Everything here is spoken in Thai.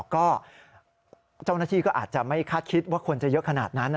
ก็เจ้าหน้าที่ก็อาจจะไม่คาดคิดว่าคนจะเยอะขนาดนั้น